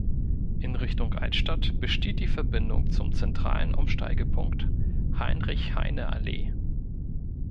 In Richtung Altstadt besteht die Verbindung zum zentralen Umsteigepunkt Heinrich-Heine-Allee.